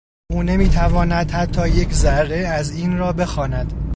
او نمیتواند حتی یک ذره از این را بخواند.